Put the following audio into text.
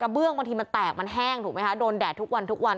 เบื้องบางทีมันแตกมันแห้งถูกไหมคะโดนแดดทุกวันทุกวัน